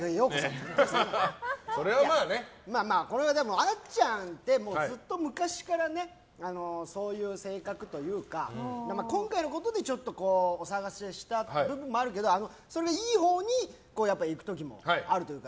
でも、あっちゃんって昔からずっとそういう性格というか今回のことで、ちょっとお騒がせした部分もあるけどそれがいいほうにいく時もあるというか。